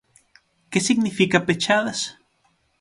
¿Que significa pechadas?